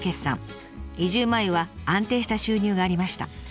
移住前は安定した収入がありました。